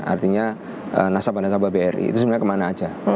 artinya nasabah nasabah bri itu sebenarnya kemana aja